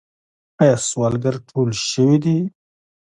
آیا سوالګر ټول شوي دي؟